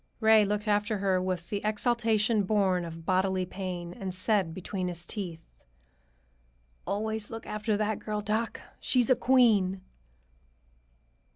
Ray looked after her with the exaltation born of bodily pain and said between his teeth, "Always look after that girl, doc. She's a queen!"